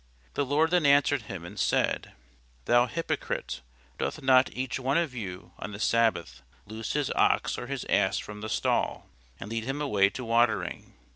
The Lord then answered him, and said, Thou hypocrite, doth not each one of you on the sabbath loose his ox or his ass from the stall, and lead him away to watering?